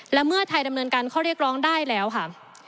และเมื่อไทยดำเนินการข้อเรียกร้องได้แล้วค่ะ